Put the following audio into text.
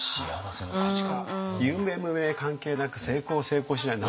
有名無名関係なく成功成功しない何にも関係ない。